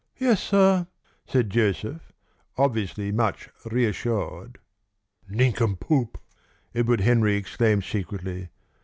"Yes, sir," said Joseph, obviously much reassured. "Nincompoop!" Edward Henry exclaimed secretly.